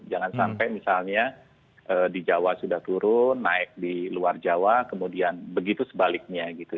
jangan sampai misalnya di jawa sudah turun naik di luar jawa kemudian begitu sebaliknya gitu